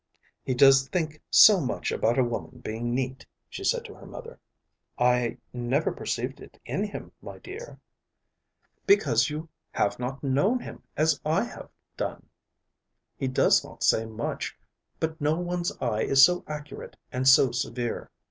"He does think so much about a woman being neat," she said to her mother. "I never perceived it in him, my dear." "Because you have not known him as I have done. He does not say much, but no one's eye is so accurate and so severe."